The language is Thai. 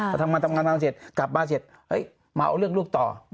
ถ้าทำงานทำงานทำงานเสร็จกลับมาเสร็จมาเอาเลือกลูกต่อ